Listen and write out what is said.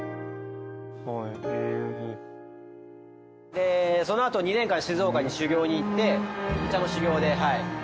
でそのあと２年間静岡に修業に行ってお茶の修業ではい。